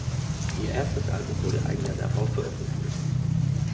Ihr erstes Album wurde ein Jahr darauf veröffentlicht.